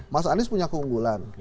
mas anies punya keunggulan